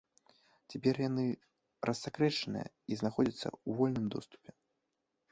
Цяпер яны рассакрэчаныя і знаходзяцца ў вольным доступе.